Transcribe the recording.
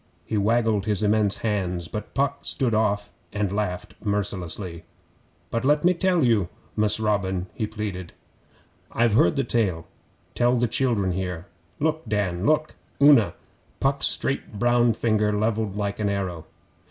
He waggled his immense hands, but Puck stood off and laughed mercilessly. 'But let me tell you, Mus' Robin,' he pleaded. 'I've heard the tale. Tell the children here. Look, Dan! Look, Una!' Puck's straight brown finger levelled like an arrow.